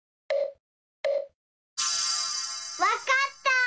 わかった！